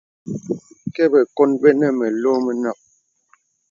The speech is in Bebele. Kə bəkòn bənə məlɔ̄ mənɔ̄k.